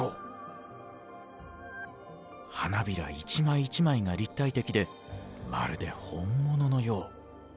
花びら一枚一枚が立体的でまるで本物のよう。